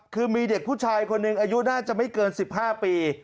คือมีเด็กผู้ชายคนหนึ่งอายุน่าจะไม่เกิน๑๕ปี